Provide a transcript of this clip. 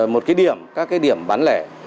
một cái điểm các cái điểm bán lẻ